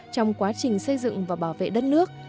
trong quá trình xây dựng và bảo vệ đất nước